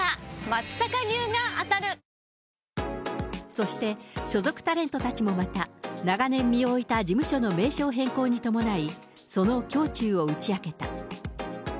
そして、所属タレントたちもまた、長年身を置いた事務所の名称変更に伴い、その胸中を打ち明けた。